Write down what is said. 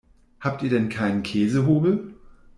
Habt ihr denn keinen Käsehobel?